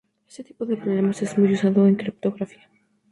Este tipo de problemas es muy usado en criptografía.